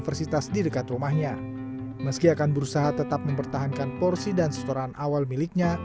rahim juga mencari porsi dan setoran awal miliknya